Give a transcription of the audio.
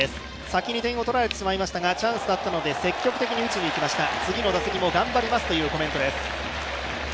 先に点を取られてしまいましたが、チャンスだったので積極的に打ちにいきました、次の打席も頑張りますというコメントです。